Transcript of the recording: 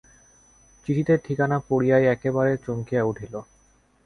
চিঠিতে ঠিকানা পড়িয়াই একেবারে চমকিয়া উঠিল।